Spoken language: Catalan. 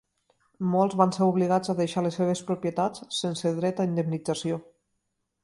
Molts van ser obligats a deixar les seves propietats sense dret a indemnització.